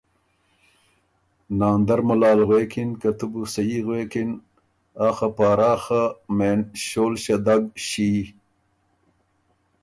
ناندر مُلال غوېکِن که ”تُو بو سهي غوېکِن آ خه پاراخه مېن ݭول ݭدګ ݭي۔